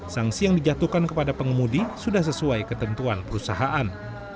sanksi yang dijatuhkan kepada pengemudi sudah sesuai ketentuan perusahaan